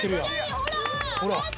ほら。